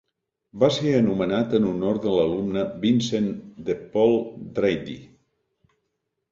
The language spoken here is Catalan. Va ser anomenat en honor de l'alumne Vincent de Paul Draddy.